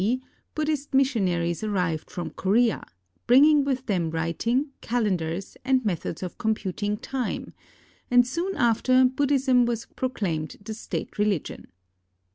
d. Buddhist missionaries arrived from Korea, bringing with them writing, calendars, and methods of computing time; and soon after Buddhism was proclaimed the state religion.